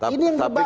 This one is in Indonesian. ini yang bahaya